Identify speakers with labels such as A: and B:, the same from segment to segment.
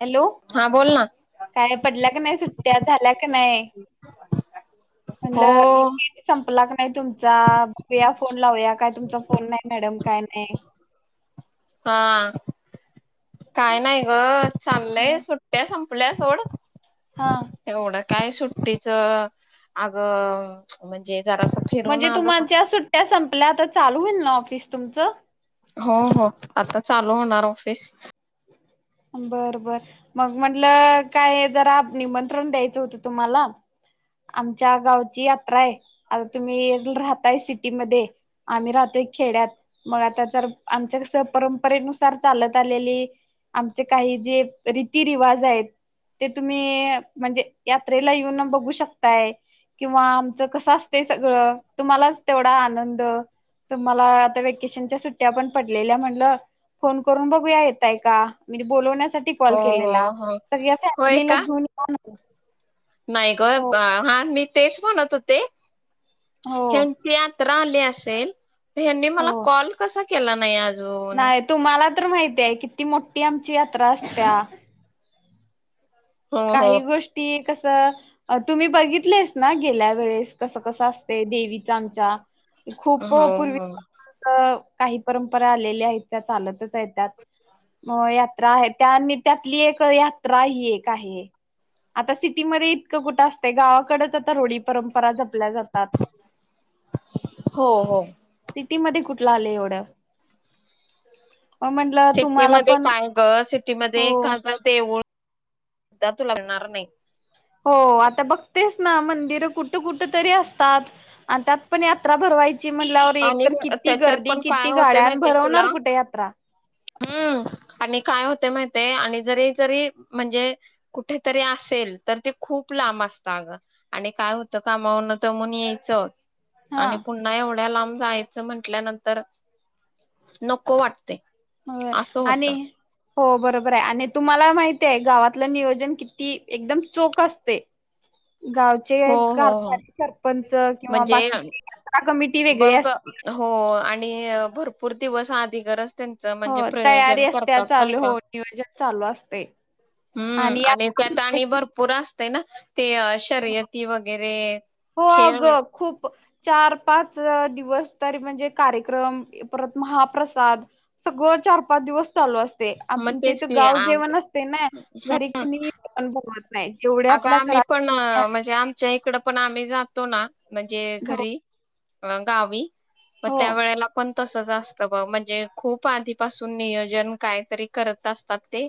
A: Hello
B: हा बोल ना
A: काय पडल्या का नाही सुट्ट्या झाल्या क नाही.
B: हो
A: म्हणटलं संपला का नाही तुमचा, बघूया फोन लावूया काय तुमचा फोन नाही मॅडम काय नाही.
B: हा. काय नाही ग चाललंय
A: हं,
B: सुट्ट्या संप संपल्या सोड.
A: हा
B: एवढं काय सुट ट्टीच आग म्हणजे जरासं फिरून
A: म्हणजे
B: आलो
A: तुम्हाच्या सुट्ट्या संपल्या आता चालू होईल ना ऑफिस तुमच.
B: हो हो आता चालू होणार ऑफिस.
A: बर बर मग म्हटलं काय जरा निमंत्रण द्यायचं होतं तुम्हाला. आमच्या गावची यात्रा हाय. आता तुम्ही राहताय सिटीमध्ये आम्ही राहतोय खेड्यात. मग आता तर आमच्या कस परंपरेनुसार चालत आलेली आमचे काही जे रीती रिवाज आहेत. ते तुम्ही म्हणजे यात्रेला येऊन बघू शकताय किंवा कस असतय सगळ. तुम्हालाच तेवढा आनंद, तुम्हाला आता व्य कीशनच्या सुट्या पण पडलेल्या म्हणलं, फोन करून बघूया येताय का. मी बोलवन्या साठी कॉल
B: हो हो
A: केलेला.
B: हो
A: सगळ्या
B: होय
A: फॅमिलीला
B: का
A: घेऊन येऊन
B: नाही गं अ हां मी तेच म्हणत होते.
A: हो
B: हेंची आत जत्रा आली असेल ह्यांनी मला
A: हो
B: कॉल कसा केला नाही आज.
A: नाही तुम्हाला तर माहितीय किती मोठी आमची यात्रा असत्या.
B: हो हो
A: काही गोष्टी कसं तुम्ही बघितलेस ना गेल्या वेळेस कसं कसं असते देवीच आमच्या
B: हो
A: खूप
B: हो
A: पूर्वी काही परंपरा आलेल्या आहेत त्या चालतच आहे त्यात म यात्रा आहे त्या आणि त्यातली एक यात्रा ही एक आता सिटीमध्ये इतकं कुठं असतं गावाकडच आता रोळी परंपरा केल्या जातात....
B: हो हो
A: ती ती टीम मध्ये कुठलं आलेय एवढं मग म्हंटलं तुम्हाला
B: सिटीमध्ये
A: पण
B: [unintelligible] सिटीमध्ये
A: हो
B: एखादं देऊळ [unintelligible] लागणार नाही
A: हो आता बघतेच ना मंदिरं कुठं कुठ तरी असतात आणि त्यात पण यात्रा भरवाय [unintelligible] एक
B: आणि
A: तर किती
B: त्याच्यात
A: गर्दी
B: पण काय
A: किती
B: होते
A: गाड्या आणि
B: माहितीय तुला
A: भरवणार कुठे यात्रा
B: हम्म, आणि काय होते माहितय आणि जरी जरी म्हणजे कुठेतरी असेल, तर ते खूप लांब असतं अग आणि काय होतं कामावरून दमून यायचं
A: हा
B: आणि पुन्हा एवढ्या लांब ‌ जायचं म्हटल्यानंतर, नको वाटत ‌ते
A: होय
B: असं होत.
A: आणि हो बरोबर आहे आणि तुम्हाला माहितीये गावातलं नियोजन किती एकदम चोख असते गावचे
B: हो हो हो
A: कारभारी सरपंच किंवा
B: म्हणजे
A: बाकीचेही कमिटी वेगळी
B: बघ
A: असते
B: हो आणि भरपूर दिवस आधी गरज [unintelligible]
A: हो
B: म्हणजे प्रयोजन
A: तयारी असते्या
B: करतात नाही
A: चालू
B: का
A: हो नियोजन चालू असते आणि [unintelligible]
B: ते ना, ते शर्यत ते
A: हो अग खूप चा चार-पाच दिवस तरी अं म्हणजे कार्यक्रम, परत महाप्रसाद सगळं चार-पाचदिवस चालू असत.
B: मग
A: आमच्या
B: तेच
A: इथे
B: की
A: गाव
B: आ-
A: जेवण असते ना घरी कुणी [unintelligible] नाही जेवढं आपल्या घरात,
B: हं म्हणजे आमच्या इकडं [unintelligible] पण आम्ही जातोना. म्हणजे अं
A: हो
B: घरी अन् गावी मग
A: हो
B: त्यावेळेला पण तसच असतं बबा म्हणजे खूप आधीपासून नियोजन काहीतरी करत असतात ते.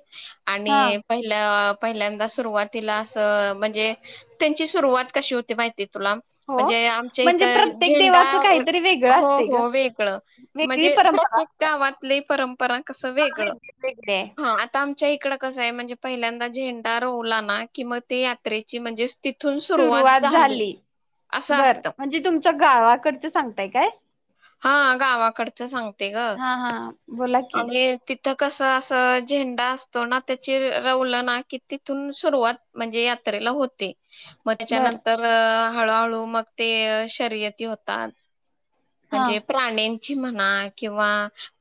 A: हा
B: आणि पहिल्या अ पहिल्यांदा सुरुवात तिला असं अ म्हणजे, त्यांची सुरुवात कशी होती माहितीये तुला
A: हो
B: म्हणजे आमच्या
A: म्हणजे
B: इथं
A: प्रत्येक
B: झेंडा
A: देवाचं काहीतरी वेगळं
B: हो
A: असते ग
B: हो वेगळ
A: वेगळी
B: म्हणजे
A: परंपरा
B: प्रत्येक
A: असते
B: गावातले परम पराय कसं
A: हा
B: वेगळं
A: वेगळी वेगळी आहे
B: हा आता आमच्या इकडं कसंय म्हणजे पहिल्यांदा झेंडा रोवला ना कि मग ते यात्रेची म्हणजेच
A: सुरुवात झाली,
B: असं
A: बरं
B: असतं
A: म्हणजे तुमच्या गावाकडच सांगताय काय?
B: हा गावाकडचं सांगते ग
A: हा हा बोला की
B: आणि तिथ कसं असं झेंडा असतो ना, त्याची रवलं ना कि तिथून सुरुवात म्हणजे यात्रेला होते. मग
A: बर
B: त्याच्यानंतर हळूहळू मग ते शर्यती होतात.
A: हा
B: म्हणजे प्राणीं ची म्हणा किंवा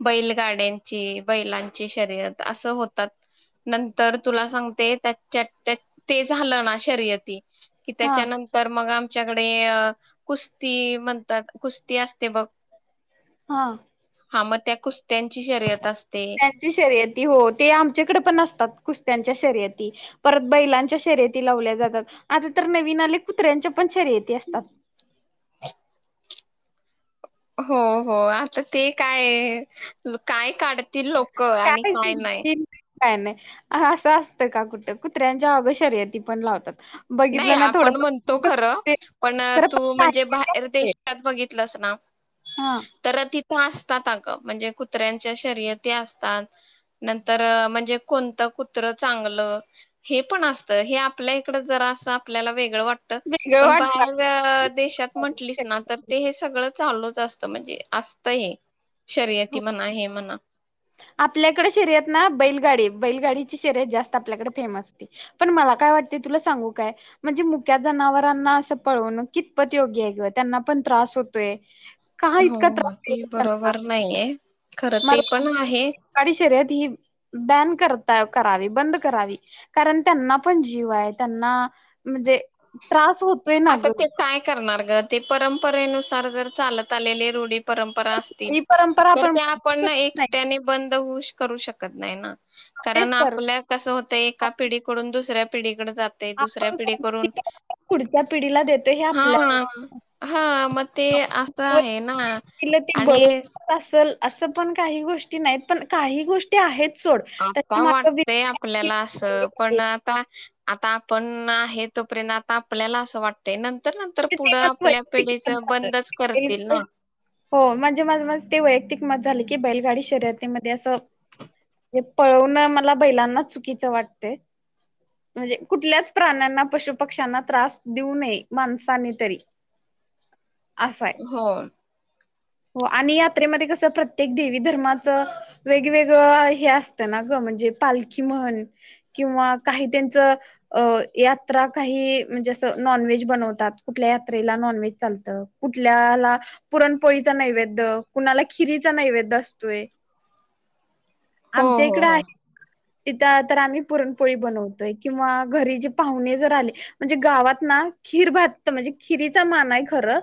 B: बैलगाड्यांची बैलांची शर्यत असं होतात नंतर तुला सांगते, त्याच्या ते झालं ना शर्यती कि
A: हा
B: त्याच्यानंतर मग आम् च्याकडे कुस्ती म्हणतात कुस ती असते बघ.
A: हा.
B: हा मग त्या कुस्त्यांची शर्यत असते.
A: कुत्र्याची शर्यती हो ते आमच्याकडे पण असतात कुस् त्यांच्या शर्यती परत बैलांच्या शर्यती लावल्या जातात, आता तर नवीन आले कुत्र्यांच्या पण शर्यती असतात.
B: हो हो आता ते काय काय काढ तील लोक आणि काय नाही.
A: काय नाही असं असतं का कुठं, कुत्र्यांच्या अगं शर्यती पण लावतात.
B: नाही
A: बघितलं ना थोडं
B: आपण म्हणतो खरं पण
A: खरं
B: तू
A: पण
B: म्हणजे बाहेर देशात बघितलंस ना
A: हा
B: तर ति तो असतात अगं म्हणजे कुत्र्यांच्या शर्यती असतात नंतर म्हणजे कोणतं कुत्र चांगलं हे पण असते हे आपल्या इकड जर सा आपल्याला वेगळं वाट त
A: वेगळं
B: पण
A: वाटत
B: बाहेर देशात म्हंटली ना तर ते हे सगळं चालू चसतं म्हणजे असतं हे.
A: हो
B: शर्यती म्हणा हे म्हणा.
A: आपल्याकडे शर्यत ना बैलगाडी, बैलगाडीची शर्यत जास्त आपल्याकडे फेमस होती, पण मला काय वाटते तुला सांगू काय म्हणजे मुक्या जनावरांना असं पळवण कितपत योग्य आहे किंवा त्यांना पण त्रास होतोय. का
B: हो
A: इतका त्रास
B: ते
A: त्यांना
B: बरोबर नाहीये. खरं ते
A: मला
B: पण
A: [unintelligible]
B: आहे.
A: काडी शर्यत ही बॅन करता, करावी बंद करावी कारण त्यांना पण जीव आहे, त्यांना म्हणजे त्रास होतोय ना
B: आता
A: ग.
B: ते काय करणार ते परंपरेनुसार जर चालत आलेले रूढी परंपरा असतील
A: ही परंपरा
B: तर त्या
A: बदलू
B: आपण
A: शकत नाही
B: एकट्याने बंद होऊ करू शकत नाही ना. कारण
A: तेच तर
B: आपल्या कसं होतं एका पिढीकडून दुसऱ्या पिढी जातय दुसऱ्या
A: आपण
B: पिढी करून
A: पुढच्या पिढीला देतो हे
B: हा हा
A: आपल्या
B: हा मग ते असं आहे ना
A: तिला ती
B: आणि
A: बरोबर असल असं पण काही गोष्टी नाहीत, पण काही गोष्टी आहेत. सोड त्याच्या
B: आता
A: माग वैयक्तिक
B: वाटतय आपल्याला असं पण आता आता आपण आहे तोपर्यंत आता आपल्याला असं वाटतय ना.
A: ते मत मग वैयक्तिक मत
B: बंदच करतील ना
A: झालं हो म्हणजे माझ माझ ते वैयक्तिक मत झालं की बैलगाडी शर्यतीमध्ये अस हे पळवण मला बैलाना चुकीच वाटतय म्हणजे कुठल्याच प्राण्याना पशु पक्ष्यांना त्रास देऊ नये माणसं सानेतरी
B: हो.
A: हो आणि यात्रेमध्ये कस प्रत्येक देवी धर्माचं वेगवेगळं हे असतं ना ग म्हणजे पालखी म्हण किंवा काही त्यांच अ यात्रा काही म्हणजे असं नॉनव्हेज बनवतात. कुठल्या यात्रेला नॉनव्हेज चालतं कुठल्याला पुरणपोळीचा नैवेद्य कुणाला खिरीचा नैवेद्य असतोय.
B: हो
A: आमच्या
B: हो
A: इकडं
B: हो
A: आहे. तिथं तर आम्ही पुरणपोळी बनवतोय किंवा घरी जे पाहुणे जर आले म्हणजे गावात ना खीर भात म्हणजे खिरीचा मान आहे खरं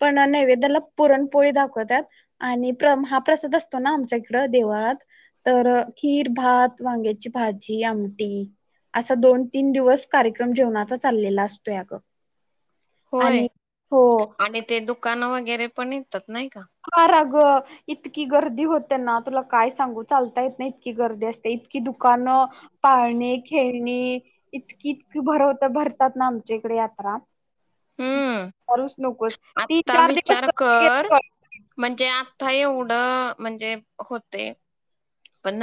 A: पण नैवेद्याला पुरणपोळी दाखवतात आणि प्र हा प्रसाद असतो ना आमच्या इकडं देवळात तर खीर भात वांग्याची भाजी आमटी असा दोन तीन दिवस कार्यक्रम जेवणाचा चाललेला असतोय अग.
B: होय आणि ते दु दुकानं वगैरे पण येतात. नाही का?
A: ग इतकी गर्दी होते ना तुला काय सांगू चालता येत ना इतकी गर्दी असते इतकी दुकानं, पाळणे, खेळणे इतकी इतकी भरवता भरतात ना आमच्या इकडे यात्रा.
B: हम्म
A: करूच नकोस तीन
B: आत्ता
A: चार दिवस
B: विचार
A: क
B: आ एवढं म्हणजे होतेय पण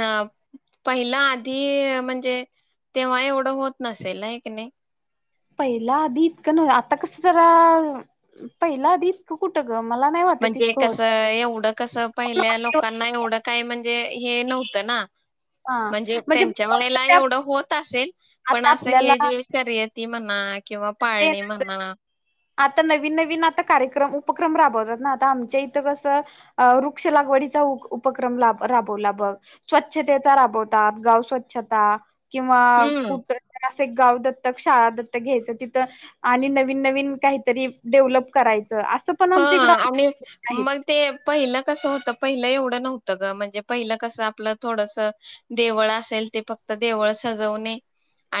B: पहिला आधी म्हणजे तेव्हा एवढं होत नसेल नाही की नाही.
A: पहिलं आधी इतकं न आता कसं जरा पहिलं आधी इतकं कुठं ग मला नाही वाटत
B: म्हणजे
A: इतकं होत
B: कस एवढं कस
A: पण
B: पहिल्या लोकांना एवढं काय म्हणजे हे नव्हतं ना. म्हणजे त्यांच्या वेळेला एवढं होत असेल पण
A: आता
B: असं हे
A: आपल्याला
B: जे शर्यती म्हणा किंवा
A: ते
B: पाळणे
A: नस
B: म्हणा
A: आता नवीन नवीन आता कार्यक्रम उपक्रम राबवतात ना आता आमच्या इथं कसं वृक्ष लागवडीचा उप उपक्रम राबवला बघ स्वच्छतेचा राबवतात गाव स्वच्छता किंवा
B: हम्म
A: कुठतरी एक गाव दतक शाळा दत्तक घ्यायचं तिथं आणि नवीन नवीन काहीतरी डेव्हलप करायच
B: हा आणि मग ते पहिलं कसं होतं पहिलं एवढं नव्हतं ग म्हणजे पहिलं कसं आपलं थोडस देवळ असेल ते फक्त देवळ सजवणे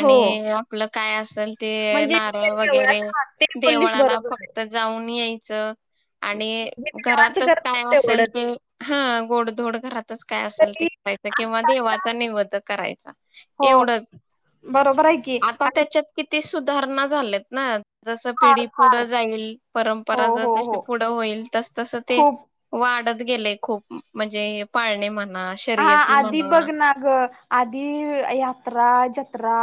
A: हो
B: आपलं काय असेल ते
A: म्हणजे
B: नारळ वगैरे
A: देवळाच हा ते बोललीस
B: देवळाला
A: बरोबर आहे
B: फक्त जाऊन याय च आणि
A: जे देवाचं
B: घरातच
A: करतात
B: काय असेल
A: तेवढंच
B: ते हं गोडधोड घरातच काय असेल ते
A: तरी
B: करायच किंवा
A: आत्ताच्या
B: देवाचा निवद करायचा
A: हो
B: एवढच
A: बरोबर आहे की
B: आता
A: आणि
B: त्याच्यात किती सुा धरणा झालेत ना जस
A: फार
B: पिढी पुढं
A: फार
B: जाईल परं हो
A: खूप
B: पाडत गेले खूप म्हणजे पाळणे म्हण
A: हा आधि बग नाग आधी यात्रा जत्रा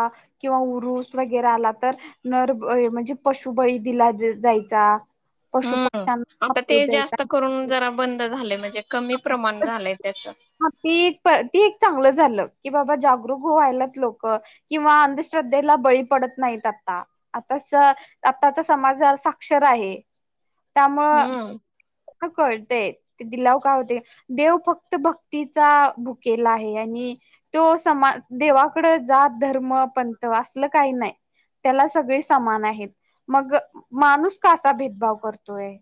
A: किंवा उरुस वगैरे आला तर नर म्हणजे पशुबळी दिला जायचा पशु
B: हम्म
A: पक्ष्यांना
B: आता ते
A: कापलं जायचा
B: जास्त करून जरा बंद झाले म्हणजे े कमी प्रमाण झालंय त्याच
A: ह ती ती एक चांगलं झालं की बाबा जागरूक्हायलात लोक किंवा अंधश्रद्धेला बळी पडत नाहीत आता आता आताचा समाज साक्षर आहे
B: हम्म
A: त्यामुळं कळते दिलाव का होते देव फक्त भक् तिचा भुकेला आहे आणि तो समान देवाकड जात धर्म पंत असलं काही नाही त्याला सगळे समान आहेत मग माणूस कसा भेदभाव करतोय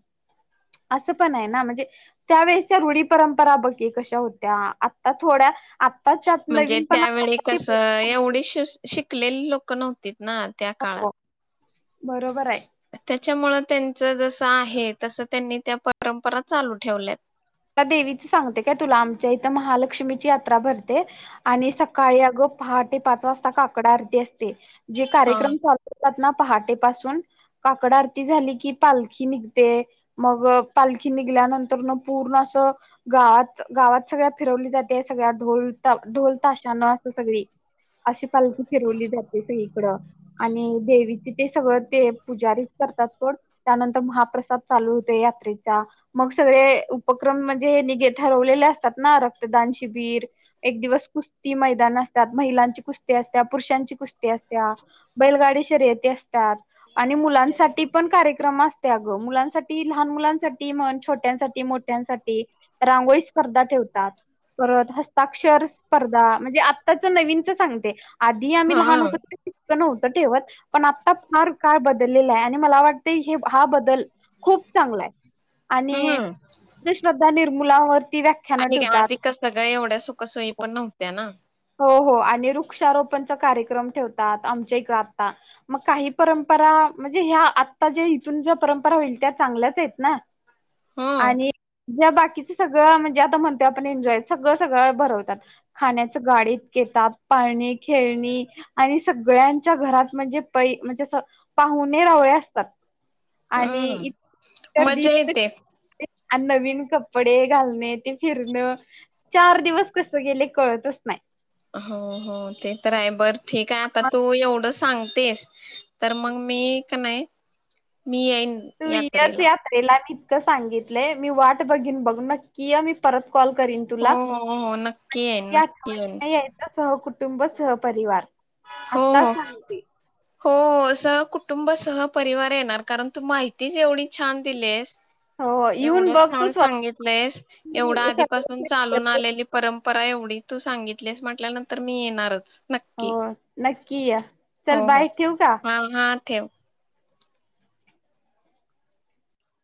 A: असं पण आहे ना म्हणजे त्यावेेळेसच्या रूढी परंपरा बघे कशा होत्या आ थोड्या आत्ता त्यात
B: म्हणजे
A: नवीन पण
B: चकले लोक नव्हती ना त्या काळात
A: बरोबर आहे
B: त्याच्यामुळे त्यांच जस आहे तस त्यांनी त्या परंपरा चालू ठेवल्यात
A: देवीच सांगते काय तुला आमच्या इथं महालक्ष्मीची यात्रा भरते आणि सकाळी अगं पहाट पाच वाजता काकडा आरती असते जे
B: हा
A: कार्यक्रम चालूवतात ना पहाटे पाासून काकड आरती झाली की पालखी निघते मग पालखी निघल्यानंतर पूर्ण असं गावात गावात सगळ्या फिरवली जाते सगळ्या ढोलता ढोलताशान अस सगळी अशी पालखी फिरवली जातेस ह आणि देवी तथ सगळं ते पुूजारी करतात पण त्यानंतर महाप्रसाद चालू होते यात्रेचा मग सगळे उपक्रम म्हणजे निगे ठरवलेले असतात ना रक्तदान शिबीर एक दिवस कुस्ती मैदान असतात महिलांची कुस्ती असतात पुरुषांची कुस्ती बैलगाडी य अस आणि मुलांसाठी पण कार्यक्रम असत ग मुलांसाठी लहान मुलांसाठी मण छोट्यांसाठी मोठ रांगोळी स्पर्धावतात परत हस्ताक्षर स्पर्धा म्हणजे आताच नवीनच सांगते आधी आम्ही
B: हा
A: लहान होतो त ठेव पण आता फ काळ बदल आहे आणि मला वाटत हा बदल. खूप चांगला आहे आणि
B: हम्म
A: निर्मूलावर
B: आणि आधीिक सगळं एवढ्या सुखसोयी पण नव्हत्या ना.
A: हो हो आणि वृक्षारोपणचा कार्यक्रम ठेवतात, आमच्या इकडे आता मग काही परंपरा म्हणजे ह्या आता ज्या इथून ज्या परंपरा होईल त्या चांगल्याच आहेत ना?
B: हम्म
A: आणि ज्या बाकी- सगळं म्हणजे आता म्हणतोय आपण एन्जॉय सगळं सगळं भरवतात खण्याच - गाडे येतात, पाळणे-खेळणी आणि सगळ्यांच्या घरात म्हणजे पै म्हणजे असं पाहुणे रावळे असतात. आणि इत
B: हम्म
A: गर्दी
B: मज्जा येते.
A: इतकं आणि नवीन कपडे घालणे ते फिरण चार दिवस कस गेले कळतच - नाही.
B: हो हो ते तर आहे बर- ठीक आहे आता
A: मग
B: तू एवढं सांग- तेस तर मग मी क नाय -
A: तू यच यात्रेला मी- सांगितलंय मी वाट बघीन बघ नक्की य मी परत- कॉल करीन
B: हो
A: तुला
B: हो हो येईन
A: नक्की
B: नक्की येईन
A: आठवणीन यायचं सह - कुटुंब सहपरिवार.
B: हो
A: आत्ता
B: हो
A: सांगते
B: हो हो. सह कुटुंब सह परिवार येणार कारण तू माहितीच एवढी छान दिलेस.
A: हो येऊन
B: एवढं
A: बघ तू
B: छान
A: स्वतः
B: सांगितलंयस एवढं आधीपासून चालून आलेली परंप- परा एवढी तू सांगितलीस म्हटल्यानंतर मी येणारच.
A: हो
B: नक्की
A: नक्की य. चल
B: हो हो
A: बाय ठेऊ का?
B: हा हा ठेव.